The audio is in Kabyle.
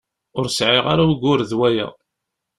Ur sɛiɣ ara ugur d waya.